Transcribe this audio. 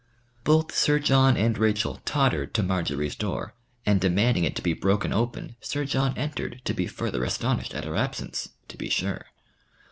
Both Sir John and Rachel tottered to Marjory's door, and demanding it to be broken open, Sir John entered to be further astonished at her absence, to be sure.